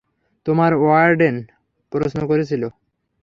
তোমার ওয়ার্ডেন প্রশ্ন করেছিল?